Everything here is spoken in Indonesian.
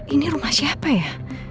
ini rumah siapa ya